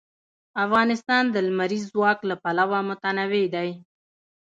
افغانستان د لمریز ځواک له پلوه متنوع دی.